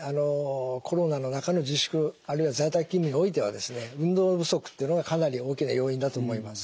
コロナの中の自粛あるいは在宅勤務においてはですね運動不足っていうのがかなり大きな要因だと思います。